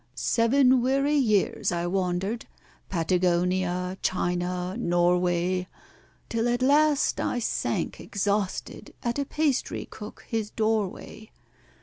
Seven weary years I wandered—Patagonia, China, Norway, Till at last I sank exhausted at a pastrycook his doorway.